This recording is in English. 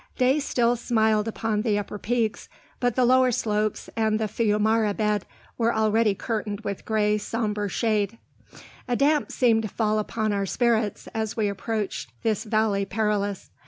Day still smiled upon the upper peaks, but the lower slopes and the fiumara bed were already curtained with gray sombre shade. A damp seemed to fall upon our spirits as we approached this Valley Perilous.